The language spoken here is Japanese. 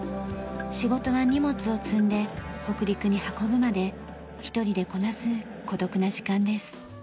仕事は荷物を積んで北陸に運ぶまで一人でこなす孤独な時間です。